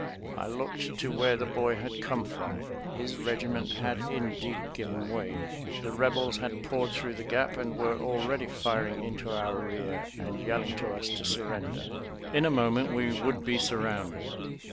I looked to where the boy had come from. His regiment had indeed given way. The Rebels had poured through the gap and were already firing into our rear and yelling to us to surrender. In a moment we would be surrounded.